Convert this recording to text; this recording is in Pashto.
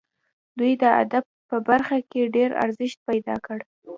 دوی د ادب په برخه کې ډېر ارزښت پیدا کړ.